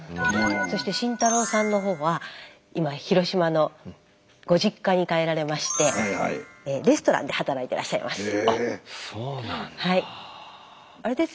そして慎太郎さんの方は今広島のご実家に帰られましてレストランで働いてらっしゃいます。